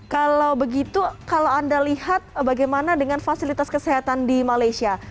kalau begitu kalau anda lihat bagaimana dengan fasilitas kesehatan di malaysia